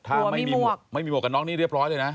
ถ้าไม่มีหมวกกับน้องนี่เรียบร้อยเลยนะ